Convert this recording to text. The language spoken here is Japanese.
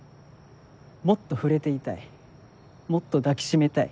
もっと触れていたいもっと抱き締めたい。